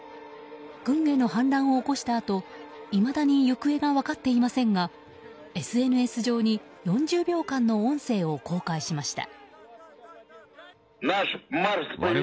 軍への反乱を起こしたあといまだに行方が分かっていませんがＳＮＳ上に４０秒間の音声を公開しました。